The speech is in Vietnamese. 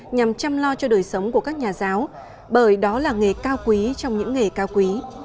nhằm chăm lo cho đời sống của các nhà giáo bởi đó là nghề cao quý trong những nghề cao quý